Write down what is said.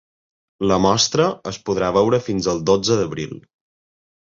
La mostra es podrà veure fins el dotze d’abril.